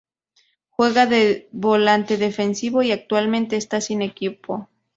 Juega de volante defensivo y actualmente está sin equipo.